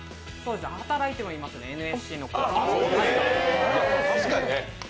働いてますね、ＮＳＣの子とか。